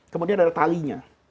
kemudian ada talinya